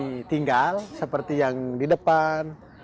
di sini ada tempat tinggal seperti yang di depan